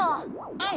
うん。